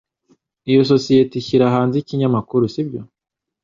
Iyo sosiyete ishyira hanze ikinyamakuru, sibyo?